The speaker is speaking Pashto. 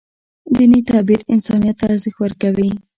دیني تعبیر انسانیت ته ارزښت ورکوي.